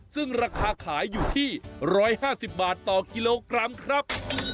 ซึ่งราคาขายอยู่ที่๑๕๐บาทต่อกิโลกรัมครับ